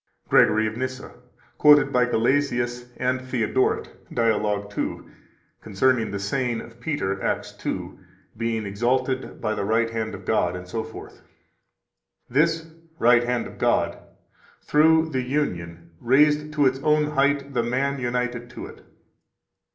106 GREGORY OF NYSSA, quoted by Gelasius and Theodoret, Dialog 2, concerning the saying of Peter, Acts 2: "Being exalted by the right hand of God," etc. (t. 2, p. 333 [al. 330 ): "This (right hand of God), through the union, raised to its own height the Man united to it."